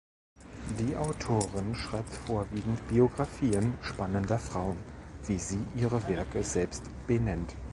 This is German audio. Die Autorin schreibt vorwiegend „Biografien spannender Frauen“, wie sie ihre Werke selbst benennt.